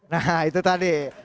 nah itu tadi